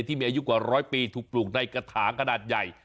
ที่มีอายุกว่าร้อยปีถูกปลูกในกระถางขนาดใหญ่